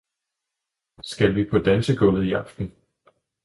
Skal vi på dansegulvet i aften?